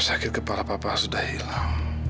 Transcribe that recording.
sakit kepala bapak sudah hilang